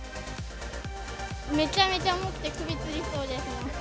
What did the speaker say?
めちゃめちゃ重くて、首つりそうです。